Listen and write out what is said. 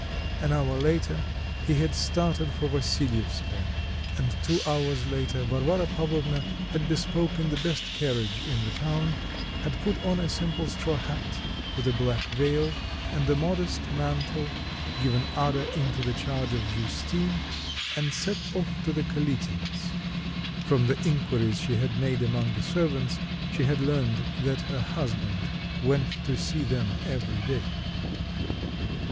An hour later he had started for Vassilyevskoe, and two hours later Varvara Pavlovna had bespoken the best carriage in the town, had put on a simple straw hat with a black veil, and a modest mantle, given Ada into the charge of Justine, and set off to the Kalitins'. From the inquiries she had made among the servants, she had learnt that her husband went to see them every day.